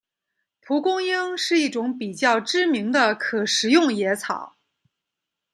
蒲公英是一种比较知名的可食用野草。